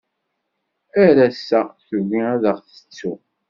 Ar ass-a tugi ad aɣ-tettu.